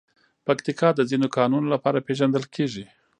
پکتیکا د ځینو کانونو لپاره پېژندل کېږي.